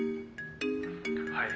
「はい」